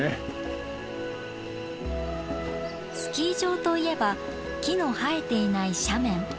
スキー場といえば木の生えていない斜面。